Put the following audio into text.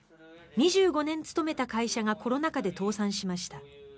２５年勤めた会社がコロナ禍で倒産しました。